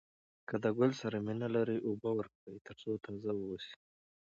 که د ګل سره مینه لرئ اوبه ورکوئ تر څو تازه واوسي.